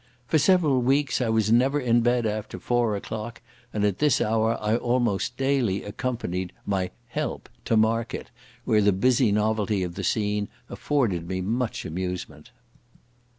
For several weeks I was never in bed after four o'clock, and at this hour I almost daily accompanied my "help" to market, where the busy novelty of the scene afforded me much amusement.